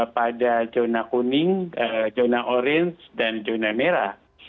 pada zona kuning zona orange dan zona merah